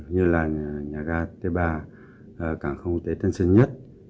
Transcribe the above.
như là nhà ga t ba cảng không quốc tế tân sơn nhất